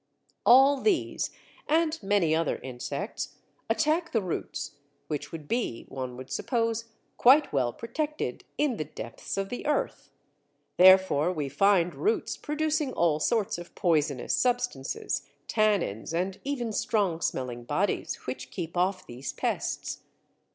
All these, and many other insects, attack the roots, which would be, one would suppose, quite well protected in the depths of the earth. Therefore we find roots producing all sorts of poisonous substances, tannins, and even strong smelling bodies, which keep off these pests.